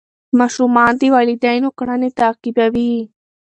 ماشومان د والدینو کړنې تعقیبوي.